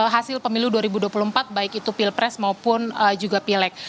hasil pemilu dua ribu dua puluh empat baik itu pilpres maupun juga pileg